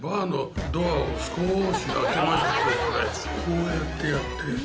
こうやってやって。